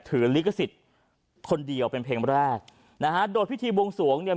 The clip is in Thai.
ลิขสิทธิ์คนเดียวเป็นเพลงแรกนะฮะโดยพิธีบวงสวงเนี่ย